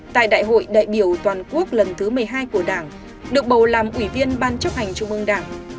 tại đại hội đại biểu toàn quốc lần thứ một mươi hai của đảng được bầu làm ủy viên ban chấp hành trung ương đảng